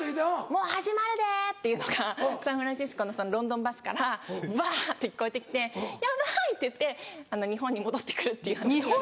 「もう始まるで！」っていうのがサンフランシスコのロンドンバスからわぁ！って聞こえて来てヤバい！って言って日本に戻って来るっていう話なんです。